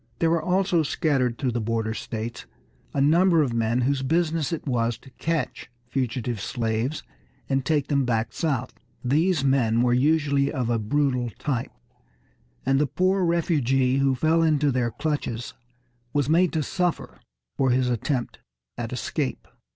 There were also scattered through the border states a number of men whose business it was to catch fugitive slaves and take them back south. These men were usually of a brutal type, and the poor refugee who fell into their clutches was made to suffer for his attempt at escape.